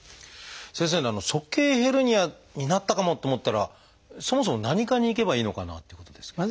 先生鼠径ヘルニアになったかもと思ったらそもそも何科に行けばいいのかなっていうことですけど。